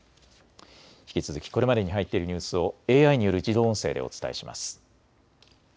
引き続きこれまでに入っているニュースをＡＩによる自動音声でお伝えします。